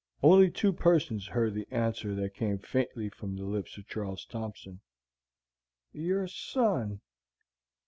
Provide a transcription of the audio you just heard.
Only two persons heard the answer that came faintly from the lips of Charles Thompson, "YOUR SON."